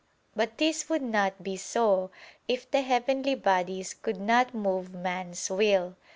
But this would not be so, if the heavenly bodies could not move man's will.